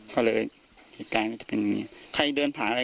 ก็เลยแบลกห้อยจะเป็นเคฤนไม่เป็นใครเดินผ่าอะไร